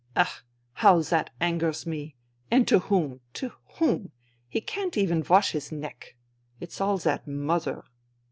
" Ach ! how that angers me ! And to whom, to whom ! He can't even wash his neck. It's all that mother